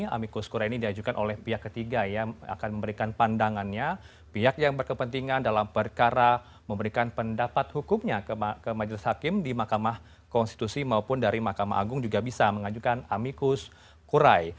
amikus kura ini diajukan oleh pihak ketiga yang akan memberikan pandangannya pihak yang berkepentingan dalam perkara memberikan pendapat hukumnya ke majelis hakim di mahkamah konstitusi maupun dari mahkamah agung juga bisa mengajukan amikus kurai